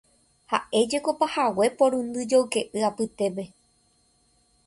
Ha'éjeko pahague porundy joyke'y apytépe.